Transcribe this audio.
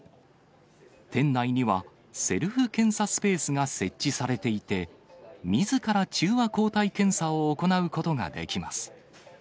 店内には、セルフ検査スペースが設置されていて、みずから中和抗体検査を行うことができます。